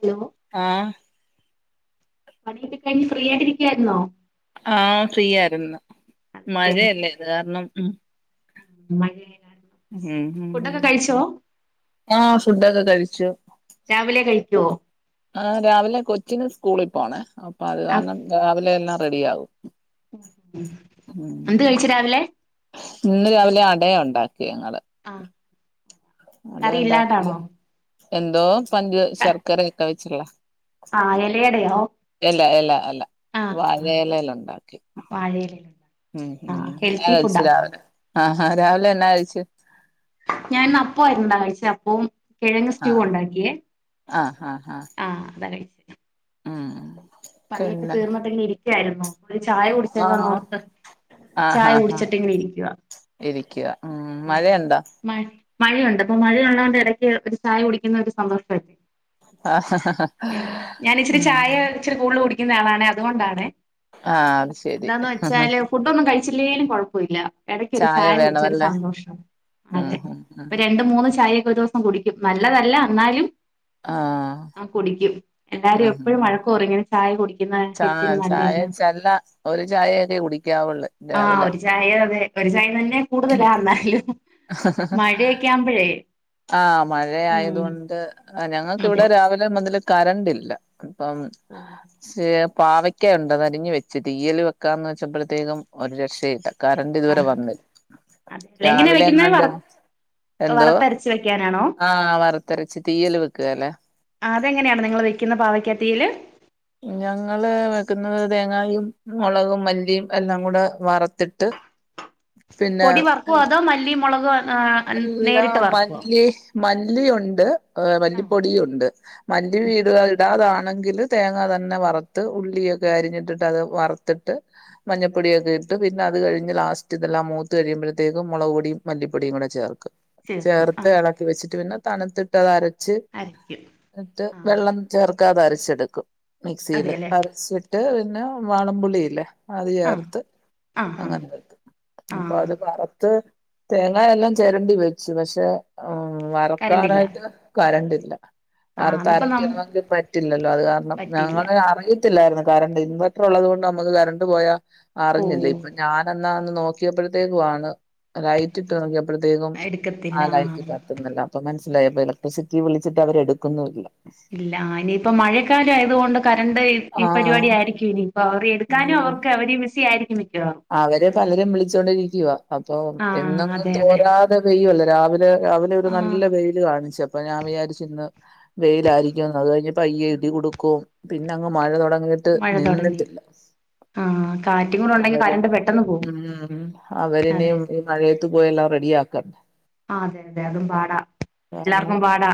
Hello ആഹ് പണിയൊക്കെ കഴിഞ് ഫ്രീ ആയിട്ടിരിക്കുവായിന്നൊ ആഹ്, ഫ്രീ ആയ്ര്ന്ന്, അതെല്ലേ മഴല്ലേ അത് കാരണം ഉം മഴയെ കാരണം ഉം ഉം ഉം ഫുഡൊക്കെ കഴിച്ചോ ആഹ് ഫുഡൊക്കെ കഴിച്ചു. രാവിലെ കഴിക്ക്യോ? ആ രാവിലെ കൊച്ചിന് സ്കൂളി പോണേ, അപ്പൊ അത് ആ കാരണം രാവിലെ എല്ലാ റെഡി ആകും. ഉം, ഉം. എന്ത് കഴിച്ചു രാവിലെ ഇന്ന് രാവിലെ അടയ ഉണ്ടാക്കിയെ ഞങ്ങള്. ആഹ്. അടിയുണ്ടാക്കി എന്തോ പഞ്ച ശർക്കര ഒക്കെ വെച്ച്ള്ള. ആഹ് എലയടയാ? എല്ല എല്ല അല്ല വാഴ എലേലൊണ്ടാക്കി വാഴയിലയില ഉം ആ ഞാൻ ഹെൽത്തി കഴിച്ച് ഫുഡാ രാവിലെ. ആഹാ രാവിലെ എന്നാ കഴിച്ച്? ഞാൻന്നപ്പം ആരുന്നാ കഴിച്ചെ അപ്പവും കെഴങ്ങ് സ്റ്റൂ ആഹ് ഉണ്ടാക്കിയേ ആഹ് ആഹ് ആഹ് അതായിര് ആഹ് പണിയൊക്കെ പിന്നെ തീർന്നിട്ടിങ്ങനെ ഇരിക്കായിരുന്നു ഒരു ചായ ആഹ് കുടിച്ചേക്കാന്നോർത്ത് ആഹ് ചായ ഹാ കുടിച്ചിട്ട് ഹാ ഇങ്ങനെ ഇരിക്കുവാ ഇരിക്ക ഉം. മഴയുണ്ടോ? മഴ മഴയുണ്ട് അപ്പൊ മഴയുള്ള കൊണ്ട് എടക്ക് ഒരു ചായ കുടിക്കുന്ന ഒരു സന്തോഷല്ലേ ആ ഹ ഹ ഹഉം ച്ചിരി കൂടുതല് കുടിക്കുന്ന ആളാണേ അതുകൊണ്ടാണേ ആഹ് അത് ശരി ന്താന്ന് വെച്ചാല് ഫുഡൊന്നും കഴിച്ചില്ലേലും കൊഴപ്പ ഇല്ല. എടയ്ക്കാരു ചായ കുടിച്ച ഒരു സന്തോഷാ ഉം അതെ ഉം ഉം പ്പൊ രണ്ട് മൂന്ന് ചായൊക്കെ ഒരോസം അ കുടിക്കും നല്ലതല്ല ന്നാലും ആഹ് അ കുടിക്കും ഉം എല്ലാരും ഉം എപ്പഴും മഴ ഓറിങ്ങനെ ചായ കുടിക്കുന്ന ചാ ചായ ച്ചല്ല ഒരു ചായയൊക്കെ കുടിക്കാവുള്ള് ആഹ് ഒരു ചായ അതെ ഒരു ചായ തന്നെ കൂടുതലാ അന്നാലും മഴയൊക്കാമ്പഴേ ആഹ് മഴ ആയതുകൊണ്ട് അ അതെ ഞങ്ങക്കിവിടെ അതെ രാവിലെ മുതല് കരണ്ട്ല്ല. അപ്പം ഓ ശേ പാവയ് ക്കെ ഉണ്ടതരിഞ്ഞ് വെച്ച് തിയ്യൽ വെക്കാന്ന് വെച്ചപ്പള്ത്തേക്കും ഒരു രക്ഷയില്ല ആ കറണ്ട്തുവരെ വന്ന് അതെ എങ്ങനെ രാവിലെ എങ്ങണ്ട് എന്തോ? ച്ച് വയ്ക്കാനാണോ? ആഹ് വറുത്തരച്ച് തീയല് വെക്കുകേലെ അതെങ്ങനെയാണ് നിങ്ങള് വെക്കുന്ന പാവക്കാ തിയല്? ഞങ്ങള് വെക്കുന്നത് തേങ്ങായും മുളകും മല്ലിയും എല്ലാം കൂടെ വറുത്തിട്ട് പൊടി വറക്കോ അതോ മല്ലി മുളകും ആ അം എല്ലാ നേരിട്ട് വറക്കോ? മല്ലി മല്ലിയുണ്ട് അ ആഹ് മല്ലിപ്പൊടിയുണ്ട് മല്ലി വീടു അ ഇടാതാണെങ്കില് തേങ്ങ തന്നെ വറുത്ത് ഉള്ളിയൊക്കെ അരിഞ്ഞിട്ടിട്ട് അത് വറുത്തിട്ട് മഞ്ഞപ്പൊടിയൊക്കെ ഇട്ട് പിന്നത് കഴിഞ്ഞ് ലാസ്റ്റ് ഇതെല്ലാം മൂത്ത് കഴിയുമ്പഴത്തേക്കും മുളക് പൊടിയും മല്ലിപ്പൊടിയും കൂടെ ചേർക്കും ചേർക്കും ചേർത്ത് ആഹ് എളക്കി വെച്ചിട്ട് പിന്നെ തണുത്തിട്ടതരച്ച് അരക്കും ന്ന്ട്ട് ആഹ് വെള്ളം ചേർക്കാതരച്ചെടുക്കും മിക്സീല് അതെല്ലേ അരച്ചിട്ട് പിന്നെ വാളംപുളിയില്ലേ അത് ആഹ് ചേർത്ത് ആഹ് ആഹ് അങ്ങനെ വക്കും. അപ്പൊ ആഹ് അത് വറുത്ത് തേങ്ങ എല്ലാം ചെരണ്ടി വെച്ചു പക്ഷെ ഉം കരണ്ടില്ല വറക്കാനായിട്ട് കരണ്ടില്ല ആഹ് അന്നിപ്പോ ന വറത്തരക്കണമെങ്കിൽ പറ്റില്ലല്ലോ അത് കാരണം പറ്റില്ല ഞങ്ങള് അറിയത്തില്ലായിരുന്നു കരണ്ട് ഇൻവെർട്ടർള്ളത് കൊണ്ട് നമ്മക്ക് കരണ്ട് പോയാ അറിഞ്ഞില്ല ഓഹ് ഇപ്പം ഞാന ന്നാന്ന് നോക്കിയപ്പഴത്തേക്കും ആണ് ലൈറ്റ്ട്ട് നോക്കിയപ്പഴത്തേക്കും എടുക്കത്തില്ല ആ ലൈറ്റ് ആഹ് കത്തുന്നില്ല. പ്പം മനസ്സിലായപ്പൊലക്ട്രിസിറ്റി വിളിച്ചിട്ട് അവരെടുക്കുന്നുല്ല. ല്ലാനിയിപ്പം മഴക്കാലായത് കൊണ്ട് കറണ്ട് ഈ ആ പരിപാടിയായിരിക്കും ഇനി ഇപ്പവർ എടുക്കാനും അവർക്ക് അവര് ബിസി ആയിരിക്കും മിക്ക അവരെ പലരും വിളിച്ചോണ്ടിരിക്കുവാ അപ്പൊ ആഹ് എന്നങ്ങ് അതെ അതെ തോരാതെ പെയ്യു അല്ലോ രാവിലെ രാവിലെ ഒരു നല്ല ആഹ് വെയില് കാണിച്ചു അപ്പൊ ഞാൻ വിചാരിച്ചിന്ന് വെയിലായിരിക്കുംന്ന് അത് കഴിഞ്ഞപ്പയ്യെ ഇടികൊടുക്കും പിന്നങ്ങ് മഴ തുടങ്ങി മഴ തുടങ്ങി. ആഹ് കാറ്റും കൂടെ ഉണ്ടെങ്കി അവരും. കരണ്ട് പെട്ടെന്ന് പോകും മ്മ് അവര് അതെ ഇനിയും ഈ മഴയത്ത് പോയെല്ലാം റെഡി ആക്കും. ആഹ് അതെ അതെ അതും പാടാ ഒരെണ്ണം. എല്ലാർക്കും പാടാ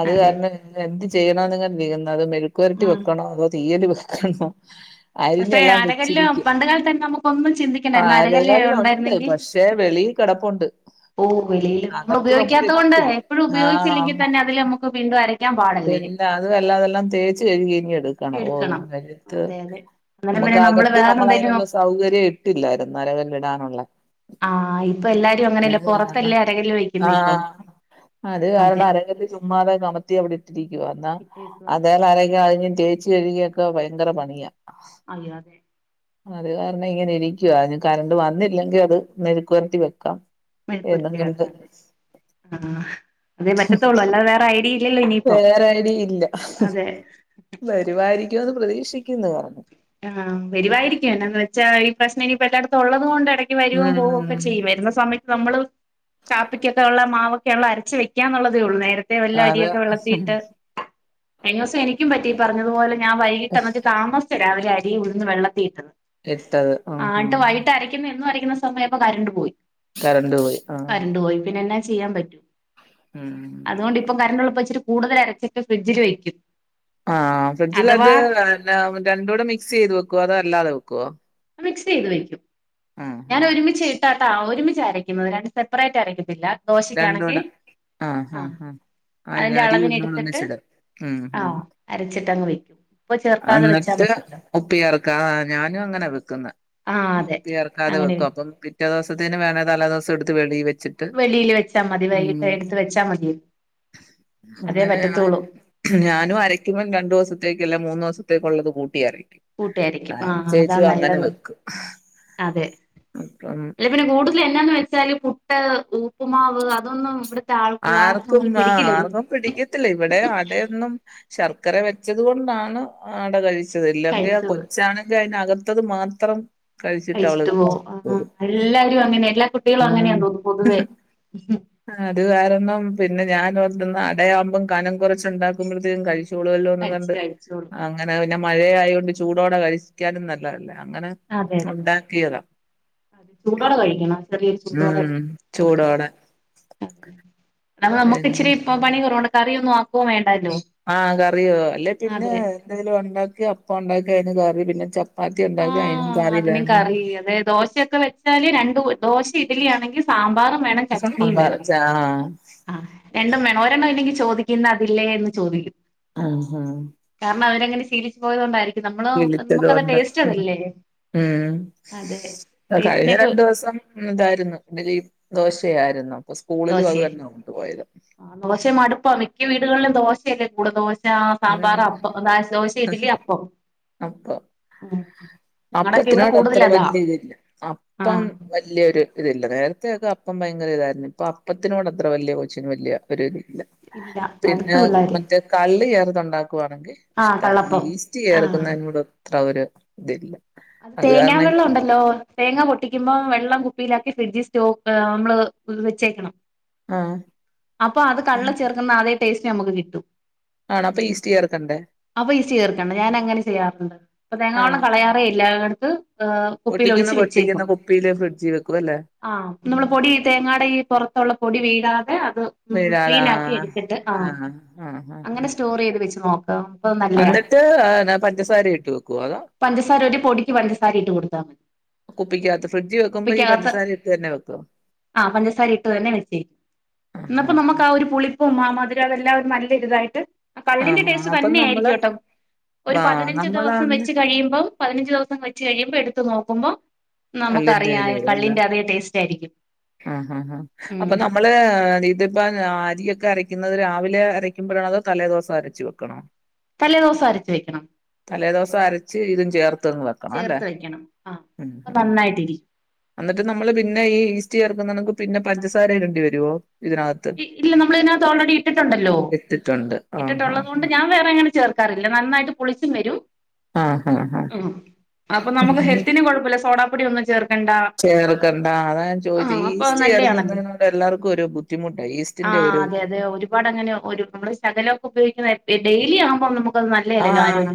അത് അതെ കാരണം എന്ത് ചെയ്യണോന്ന് കൊണ്ട് ഇരുന്നത് മെഴുക്കുരട്ടി ഉം വെക്കണോ അതോ തീയല് വെക്കണോ അരിഞ്ഞെല്ലാവെ എല്ലാം പണ്ട് കാലതാണ് നമുക്കൊന്നും ചിന്തിക്കുണ്ടായിരുന്ന അരകല്ലെ ഉണ്ടായിരുന്നെങ്കിൽ. ദേ വെളീൽ കെടപ്പുണ്ട്. ഓ വെളിയില്. നമ്മൾ ഉപയോഗിക്കാത്തോണ്ട് എപ്പഴും ഉപയോഗിച്ചില്ലെങ്കിൽ ആഹ് തന്നെ അതിൽ നമുക്ക് വീണ്ടും അര പിന്നെ അത് വല്ലാതെല്ലാ തേച്ച് കഴുകിയങ്ങ് എടുക്കണം. ഓഹ് ഈ മഴയത്ത് അതെ അതെ അന്നേരം നമുക്ക് പിന്നെ അകത്ത് വേറെ നമ്മള് എന്തേലും അയിനുള്ള സൗകര്യം ഇട്ടില്ലായിരുന്നു അരകല്ല് ഇടാനുള്ള. ആഹ് ഇപ്പൊ എല്ലാരും അങ്ങനെയല്ലെ പൊറത്തല്ലേ അരകല് വെക്കുന്നേ ഇപ്പൊ. ആഹ് അത് കാരണം അരക്കല്ല് ചുമ്മാതെ കമത്തി അവിടെ ഇട്ടിരിക്കുവ അന്നാ ഇട്ടേക്കുവാ അതേല് അര കഴിഞ്ഞ തേച്ച് കഴുകിയൊക്കാൻ ഭയങ്കര പണിയാ. അയ്യോ അതെ. അത് കാരണം ഇങ്ങനെ ഇരിക്കുവ. ഇനി കറണ്ട് വന്നില്ലെങ്കിൽ അത് മെഴുക്കുവരട്ടി വെക്കാം. എന്നും മെഴുക്കുവരട്ടി കണ്ട് വെക്കാ അതെ ആ. അതേ പറ്റത്തുള്ളൂ അല്ലാതെ വേറെ ഐഡിയില്ലല്ലോ ഇനിയിപ്പോ. അതെ. വരുവായിരിക്കുന്ന് പ്രതീക്ഷിക്കുന്നു കറണ്ട്. ആഹ് വരുവായിരിക്കും എന്നാന്ന് വെച്ചാ ഈ പ്രശ്നം ഇനിപ്പ എല്ലാടത്തും ഒള്ളതുകൊണ്ട് എട ഇനി വരോം പോവൊക്കെ ഉം ചെയ്യും. വരുന്ന സമയ നമ്മള് കാപ്പിക്കൊക്കെ ഉള്ള മാവൊക്കൊള്ള അരച്ച് വെക്കാന്നുള്ളതേ ഒള്ളൂ നേര രത്തെ അതെ വെല്ലരിയൊക്കെ ഉം വെള്ളത്തിലിട്ട് കഴിഞ്ഞോസം എനിക്കും പറ്റി ഈ പറഞ്ഞതുപോലെ ഞാൻ വൈകീട്ട് അന്നിട്ട് താമസിച്ച രാവിലെ അരിം ഉഴുന്ന് വെള്ളത്തിലിട്ടത്. ഇട്ടത് ആഹ് ആട്ട് ആഹ് വൈകിട്ടരക്കുന്ന എന്നു അരക്കുന്ന സമയായപ്പൊ കരണ്ട് പോയി. കറണ്ട് പോയി ആഹ് കരണ്ട് പോയി. പിന്നെ എന്നാ ചെയ്യാൻ പറ്റൂ. ഉം അതോണ്ടിപ്പം കറണ്ടുള്ളപ്പം ഇച്ചിരി കൂടുതലരച്ചിട്ട് ഫ്രിഡ്ജിൽ വെയ്ക്കും. ആഹ് ഫ്രിഡ്ജിലത് രണ്ടൂടെ മിക്സ് ചെയ്ത് വെക്കോ അതോ അല്ലാതെ വെക്കോ? മിക്സെയ്ത് വെയ്ക്കും. ഞാനൊരുമിച്ച ട്ടാട്ടാ ഒരുമിച്ച് അരക്കുന്നത്. രണ്ട് സെപ്പറേറ്റ് അരക്കത്തില്ല ദോശക്കാണെങ്കിൽ ആഹ് ആ ആഹ് ആഹ് അതിന്റെ അരീം അളവിന് എടുത്തിട്ട് ഉഴുന്നുടൊന്നിച്ചിടും. മ്മ് ആ മ്മ്. അരച്ചിട്ടങ്ങ് വെക്കും ഉപ്പ് ചേർക്കാതെ വെച്ചാൽ അന്നിട്ട് മതിയല്ലോ ഉപ്പ് ചേർക്കാതെ ഞാനു അങ്ങനെ വെക്കുന്നെ. ആ അഹ് അതെ ഉപ്പു ചേർക്കാതെ അങ്ങനെ വെക്കും. വെ- അപ്പം പിറ്റേ ദിവസത്തിന് വേണേ തലേ ദിവസെടുത്ത് വെളീ വെച്ചിട്ട് വെളീല് വെച്ചാ മതി ഉം വൈകിട്ട് എടുത്ത് വെച്ചാ മതി. അതേ അങ്ങനെ പറ്റത്തുള്ളൂ. ഞാനും ഞാനും അരയ്ക്കുമ്പോ രണ്ടുസത്തേക്കല്ല മൂന്നൂ ദിവസത്തേക്കുള്ളത് കൂട്ടി അരയ്ക്കും. കൂട്ടിയരക്കും ആ അതാ ആരച്ചേച്ചു അങ്ങനെ നല്ലത് വെക്കും. അതെ അപ്പം അല്ല പിന്നെ കൂടുതൽ എന്നാന്ന് വെച്ചാല് പുട്ട്, ഉപ്പുമാവ് അതൊന്നും ഇവിടെ ആർക്കും ആഹ് ആർക്കും പിടിക്ക ത്തില്ല. ഇവിടെ അടയൊന്നും ശർക്കര വെച്ചത് കൊണ്ടാണ് അട കഴിച്ച ച്ചത് ഇല്ലെങ്കിൽ ആ കഴിച്ചത് കൊച്ചാണെങ്കിൽ അയിനകത്തത് മാത്രം കഴിച്ചിട്ട് പോവും. ആഹ്. എല്ലാരുങ്ങനെ എല്ലാ കു മ്മ് അത് കാരണം പിന്നെ ഞാനോർതന്നാന്ന അടയാവുമ്പോം കനം കുറച്ചുണ്ടാക്കുമ്പത്തേക്കും കഴിച്ചു ച്ചോളുവാലൊന്നു കഴിച്ച് കണ്ട് കഴിച്ചോളും അങ്ങനെ പിന്നെ മഴയായോണ്ട് ചൂടോടെ കഴിക്കാനും നല്ലതല്ലേ അങ്ങനെ അതെതെ. ഉണ്ടാക്കിയതാ ചൂടോടെ കഴിക്കണം. ചെറിയ ചൂടോടെ ഉം കൊടുക്കണം. ചൂടോടെ ഇതാമ്പോ പിന്നെ നമ്മുക്കിച്ചിരി പൊ പണി കൊറവുണ്ട് കറിയൊന്നും ആക്കൂ വേണ്ടല്ലോ. ആഹ് കറിയോ അല്ലെ തിനോ അതെ എന്തെലും ഉണ്ടാക്കി അപ്പം ഉണ്ടാക്കിഅയിന് കറി. പിന്നെ ച ആഹ് അതിനു കറി അതെ ദോശയൊക്കെ വെച്ചാല് രണ്ടു ദോശ, ഇഡലി ആണെങ്കിൽ. സാമ്പാറും വേണം ചട്നിയും സാമ്പാർ വേണം. ആഹ് ആഹ് രണ്ടും വേണം ഒരെണ്ണം ഇല്ലെങ്കിൽ ചോദിക്കും ഇന്നതില്ലേ എന്ന് ചോദിക്കും. ആഹ് ഹ കാരണവരങ്ങനെ ശീലിച്ചു പോയത് കൊണ്ടായിരിക്കും നമ്മളോ വിളിച്ചത് നമുക്കത് കൊണ്ട് ടേസ്റ്റതല്ലേ. ഉം കഴിഞ്ഞ ടേസ്റ്റിനൊക്കെ രണ്ട് ദൂസം. ഉം തായിരുന്നു ഡ്ലി, ദോശയായിരുന്നു. അപ്പൊ സ്കൂളിലും അത് ദോശയാ തന്നെ കൊണ്ടുപോയത്. ആ ദോശ മടുപ്പാ, മിക്ക വീടുകളിലും ദോശയല്ലേ കൂടെദോ ഷാ സാമ്പാറ്, ഉം പ്പം ദോശ, ഇഡ്ലി, അപ്പം. ഉം ഞങ്ങടൊക്കെ ഇവിടെ അപ്പത്തിനോടത്ര കൂടുതലതാ വലൃയ തില്ല അപ്പം ആഹ് വൽ വലൃയൊരു ഇതിരില്ല നേരത്തൊ അപ്പം ഭയങ്കര ഇതായിരുന്നു. ഇപ്പൊ അപ്പത്തിനോട് അത്ര വലൃയ കൊച്ചിന് വലൃയ ഒരുതില്ല. ഇല്ല മടുത്ത് പിന്നെ പിള്ളേര് മറ്റേ, കള്ള് ചേർതുണ്ടാക്കുവാണെങ്കിൽ. ആഹ് ഇഷ്ടമാ കള്ളപ്പം ഈസ്റ്റ് ആഹ് ചേർക്കുന്നതിനൊട് ത്ര ഒര്തില്ല. അത് തേങ്ങാ വെള്ളം ഉണ്ടല്ലോ. തേങ്ങ പൊട്ടിക്കുമ്പോ വെള്ളം കുപ്പിയിലാക്കി ഫ്രിഡ്ജിൽ സ്റ്റേക് ഏം നമ്മള് വെച്ചേക്കെണം. ആഹ് അപ്പം അത് കള്ള് ചേർക്കുന്ന അതേ ടേസ്റ്റ് നമുക്ക് കിട്ടും. ആണോ അപ്പൊ ഈസ്റ്റ് ചേർക്കണ്ടേ അപ്പ ഈസ്റ്റ് ചേർക്കെണ്ട ഞാന്ങ്ങനെ ചെയ്യാറുണ്ട്. പ്പം തേങ്ങാവെള്ളം ആണോ കളയാ ല്ലാണ്ത്ത് ഏഹ് കുപ്പീല് പൊട്ടിക്കുന്ന ഒഴിച്ച് വെച്ചേക്കും. പൊട്ടിക്കുന്ന കുപ്പിയില് ഫ്രിഡ്ജി വെക്കും അല്ലേ ആഹ് നമ്മള് പൊടി തേങ്ങാടെ ഈ പെറത്തുള്ള പൊടി വീഴാതെ അത്. ഉം വീഴാതെ ക്ലീനാക്കി ആഹ് എടുത്തിട്ട് ആഹ് അങ്ങനെ സ്റ്റോറെയ്ത് വെച്ച് നോക്കാം. അന്നിട്ട് പഞ്ചസാര ഇട്ട് വെക്കുവോഅതാ. സാര ഒരു പൊടിക്ക് പഞ്ചസാരയിട്ട് കൊടുത്താമതി. കുപ്പിക്കാത്ത് ഫ്രിഡ്ജ് വെക്കുമ്പോ ഈ പഞ്ചസാരയിട്ട് തന്നെ വെക്കും. ആ പഞ്ചസാരഇട്ട് തന്നെ വെച്ചേ ന്നപ്പ ആഹ് നമ്മക്കാ ഊ ഒരു പുളിപ്പും ആ മധുരം എല്ലാം നല്ലെരുതായിട്ട്. കള്ളിന്റെ ആഹ് ആഹ് ടേസ്റ്റ് അപ്പൊ തന്നെ നമ്മള് ആയിരിക്കുട്ടോ, ഒരു ആഹ് പതിനഞ്ച് ദിവസം നമ്മളന്ന് വെച്ച് കഴിയുമ്പം. പതിനഞ്ച് ദിവസം വെച്ച് കഴിയുമ്പോൾ എടുത്ത് നോക്കുമ്പോൾ കള്ളിന്റെ ഇത് നമുക്കറിയാം, വരും അല്ല കള്ളിന്റെ അതേ ടേസ്റ്റ് ആയിരിക്കും. ആഹ് ഹാ ഹാ ഉം അപ്പൊ നമ്മള് ഇത്. ഡ അരിയൊക്കെ അരയ്ക്കുന്നത് രാവിലെ അരയ്ക്കുമ്പോഴാണേ, അതോ തലേദൂസം അരച്ച് വെക്കണോ? തലേ ദൂസം, അരച്ച് വെക്കെണം. തലേദിവസം അരച്ച് ഇതും ചേർത്തെന്ന് വെക്ക ചേർത്ത് വെക്കെണം ആഹ് ന്നാ നന്നായിട്ടിരി. എന്നിട്ട് നമ്മള് പിന്നെ ഈ ഈസ്റ്റ് ചേർക്കുന്നെന്നക് പിന്നെ പഞ്ചസാര ഇടേണ്ടി വരേ ഇതിനാത്ത്. ഇല്ല നമ്മള് ഇതിനാത്ത് ഓൾറെഡി ഇട്ടിട്ടുണ്ടല്ലോ. ഇട്ടിട്ടുണ്ട് ആഹ് ഇട്ടിട്ടുള്ളത് കൊണ്ട് ഞാം വേറെ എങ്ങനെ ചേർക്കാറില്ല. നന്നായിട്ട് പളിച്ചും വരും. ആഹ് ആഹ് ആഹ് ഉ. അപ്പൊ നമുക്ക് ആഹ് ഹെൽത്തിന് കൊഴപ്പല്ല. സോഡാപ്പൊടി ഒന്നും ചേർക്കണ്ടാ. ചേർക്കണ്ടാ, അതാ ഞാൻ ചോയിച്ചെത് ഈസ്റ്റ് നല്ലയാണല്ലോ ചേർക്കുന്നോണ്ട് എല്ലാർക്കും ഒരു ബുദ്ധിമുട്ടാ, ഈസ്റ്റ്. ആഹ് അതെ, അതെ, ഒരുപാട് അങ്ങനെ ഒരു നമ്മള് ശകലെക്കെ ഉപയോഗിക്കുമ്പേ ഡെയിലി ആവുമ്പോ നമുക്ക്. ആഹ്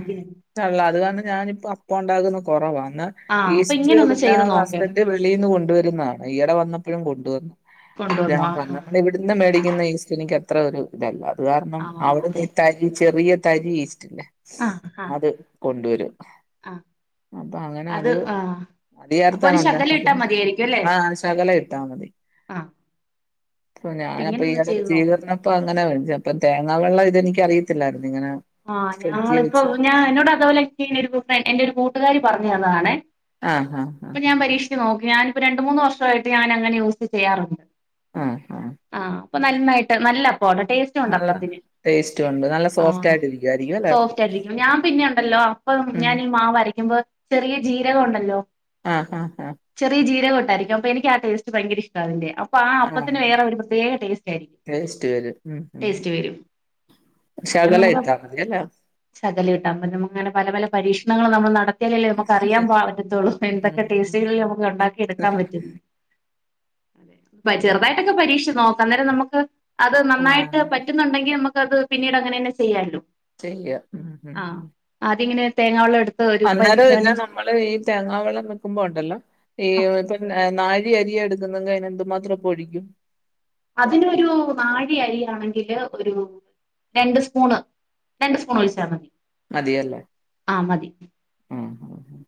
കള്ളാ അത് കാരണം ഞാനിപ്പം അപ്പംണ്ടാകുന്നത് കുറവാന്ന്. ആ അപ്പൊ ഇങ്ങനെ ഈസ്റ്റ് ഒന്ന് ചെയ്ത് നോക്ക് പിന്നെഹസ്ബൻഡ് വി ലീന്ന് കൊണ്ടുവരുന്നതാണ് ഈടെ വന്നപ്പഴും കൊണ്ടുവന്ന് കൊണ്ടുവന്നോ ആ ഞാപറഞ ഇവിടുന്ന് മേടിക്കുന്ന ഈസ്‌റ്റി എനിക്കത്ര ഒരു തെല്ല അതുകാരണം ആ ആ, അവിടുന്ന് അതെ ഇത്തായ് ഈ ചെറിയ തരി ഈസ്റ്റ്ണ്ട് ആ ആ അത് കൊണ്ടുവരും. ആ അപ്പ അങ്ങനെ അത് അത് അപ്പൊ ചേർത്താണ് ഒരു ഉണ്ടാക്കി ശകലം ഇട്ടാൽ കൊണ്ടിരുന്നേ ആഹ് ശകലം ഇട്ടാ മതി. ആഹ്. പ്പോ ഞാനപ്പേ ഈയടെ തീ ഊതണം. പ്പ അങ്ങനെ വെടിച്ചാ പ്പ തേങ്ങാ വെള്ളം ഇതെനിക്കറിയത്തില്ലായിരുന്നു, ഇങ്ങനെ. ആഹ്, ഫ്രിഡ്ജിൽ ഞങ്ങളിപ്പോ വെച്ച് ഞാ എന്നോട് അതുേപോലെ, ഇട്ടീന്നെര് എന്റെ ഒര് കൂട്ടുകാരി പറഞ്ഞതാണെ. ആ ആ ഇപ്പ ഞാൻ പരീക്ഷിച്ച് നോക്കി ഞാനിപ്പോ രണ്ട് മൂന്ന് വർഷമായിട്ട്. ഞാൻ അങ്ങനെ, യൂസ് ചെയ്യാറുണ്ട്. ആ ആ ആ ആഹ് അപ്പൊ നന്നായിട്ട് നല്ല അപ്പാണ് ടേസ്റ്റ് നല്ല ടേസ്റ്റുണ്ട്. നല്ല സോഫ്റ്റായിട്ടിരിക്കും. സോഫ്റ്റായിട്ടിരിക്കും ഞാൻ പിന്നെ ഒണ്ടല്ലോ. അപ്പം ഉം ഞാനീ മാവ് അരയ്ക്കുമ്പോ, ചെറിയ ജീരകം ഉണ്ടല്ലോ. ആഹ് ഹ ഹ. ചെറിയ ജീരകണ്ടായിരിക്കും അപ്പൊ എനിക്ക് ആ ടേസ്റ്റ് ഭയങ്ക ഇഷ്ടാ അതിന്റെ അപ്പൊ ആ അപ്പത്തിന് ആഹ് വേറെ ഒരു പ്രത്യേക ടേസ്റ്റ് ആരിക്കും. ടേസ്റ്റ് വെരും ഉം അങ്ങനെ ശകല നമുക്ക് ഇട്ട മതി അല്ലെ? ശകലം ഇട്ട മതി അപ്പൊ ഞങ്ങക്ക് അങ്ങനെ പല പല പരീക്ഷണങ്ങളും നമ്മൾ നടത്ത ണ്ടാക്കിയാലല്ലേ നമുക്ക് അറിയാ പറ്റത്തുള്ളൂ ഉം എന്തൊക്കെ ടേസ്റ്റുകളിൽ നമുക്ക് ഉണ്ടാക്കി എടുക്കാൻ പറ്റും ന്ന്. അതെ ഉം ചെറുതായിട്ടൊക്കെ പരീക്ഷിച്ച് നോക്കാം. അന്നേരം നമുക്ക് അത് നന്നായിട്ട് ആഹ് പറ്റ് പറ്റുന്നുണ്ടെങ്കി നമുക്കത് പിന്നീട് അങ്ങനെന്നെ ചെയ്യാലോ. ചെയ്യ ഉം ഉം. അതിങ്ങനെ തേങ്ങാ വെള്ളം എട് അന്നേരം ഇല്ല നമ്മള് ഈ തേങ്ങാ വെള്ളം വെക്കുമ്പോ ഉണ്ടല്ലോ ഈ ആഹ് ഇപ്പൊ നാഴി അരിയ എടുക്കുന്നെങ്കി അതിന് എന്തു മാത്രം ഇപ്പൊ ഒഴിക്കും? അതിനൊരു നാഴി അരിയാണെങ്കില് ഒരു രണ്ട് സ്പൂണ് രണ്ട് സ്പൂണ് ഒഴിച്ച മതി. മതിയല്ലെ? ആഹ് മതി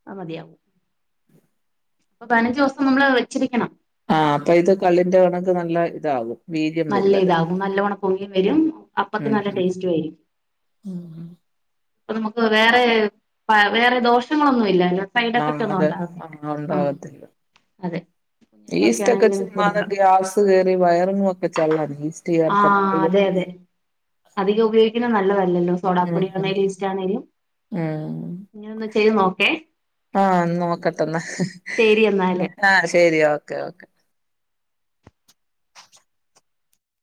അത് മതിയാവും. അപ്പൊ പതിനഞ്ച് ദിവസം നമ്മള് വെച്ചിരിക്കണം. ആഹ് അപ്പൊ ഇത് കള്ളിന്റെ കണക്ക് നല്ല ഇതാവും. നല്ല ഇതാകും നല്ലോണം പൊങ്ങിയും വരും അപ്പത്തിന് ഉം നല്ല ഉം ടേസ്റ്റ് വരും. ഉം ഹും. അ നമുക്ക് വേറെ വേറെ ദോഷങ്ങളൊന്നും ഇല്ലാലോ. ആ അതെ അങ്ങനെ ഉണ്ടാവത്തില്ല. അതെ കുഞ്ഞുങ്ങൾക്കൊക്കെ ഈസ്റ്റ് ഒക്കെ ആണെങ്കിലും ചുമ്മാതെ കൊടുക്കാം ഗ്യാസ് കേറി വയറും ഒക്കെ ചള്ളാണ്. ആഹ് ചേർത്തപ്പഴ് അതെ അതെ അധികം ഉപയോഗിക്കനത് നല്ലത് അല്ലല്ലോ. സോഡ ഉം ഉം പോഡിയാണേലും ഈസ്റ്റാണേലും ഉം ഇങ്ങനെ ഒന്ന് ചെയ്ത് നോക്കെ. ആഹ് നോക്കാട്ട എന്നാ ശരി എന്നാല് ആഹ് ശരി ഓക്കെ ആ ഓക്കെ.